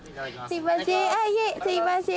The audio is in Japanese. いえすいません